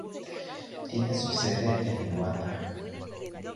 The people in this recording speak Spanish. Tiene su sede en Luanda.